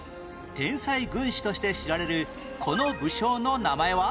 天才軍師として知られるこの武将の名前は？